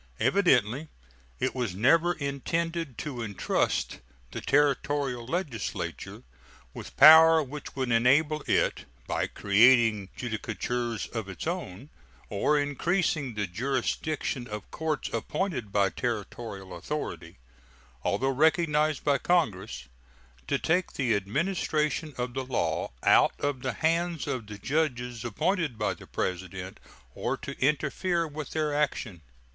Evidently it was never intended to intrust the Territorial legislature with power which would enable it, by creating judicatures of its own or increasing the jurisdiction of courts appointed by Territorial authority, although recognized by Congress, to take the administration of the law out of the hands of the judges appointed by the President or to interfere with their action.